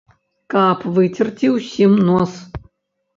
Каб выцерці ўсім нос.